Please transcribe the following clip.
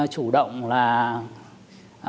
chủ động là